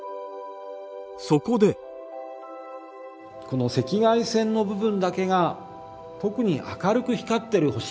この赤外線の部分だけが特に明るく光っている星